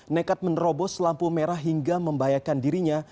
nekat menerobos lampu merah hingga membahayakan dirinya